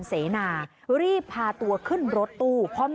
คุณผู้ชมคุณผู้ชม